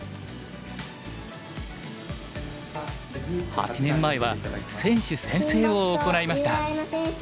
８年前は選手宣誓を行いました。